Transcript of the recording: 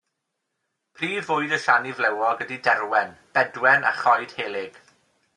Prif fwyd y siani flewog ydy derwen, bedwen a choed helyg.